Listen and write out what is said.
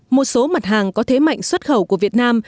một số mặt hàng có thế mạnh xuất khẩu của việt nam